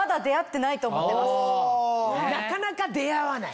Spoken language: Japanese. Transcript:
なかなか出合わない！